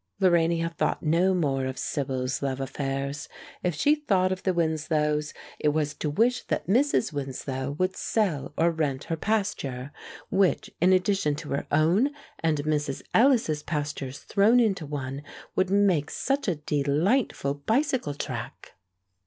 Lorania thought no more of Sibyl's love affairs. If she thought of the Winslows, it was to wish that Mrs. Winslow would sell or rent her pasture, which, in addition to her own and Mrs. Ellis's pastures thrown into one, would make such a delightful bicycle track.